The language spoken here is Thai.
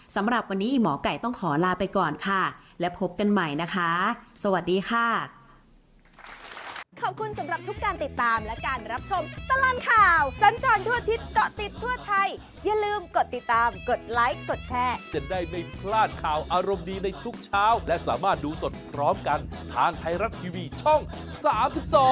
สำหรับวันนี้หมอไก่ต้องขอลาไปก่อนค่ะและพบกันใหม่นะคะสวัสดีค่ะ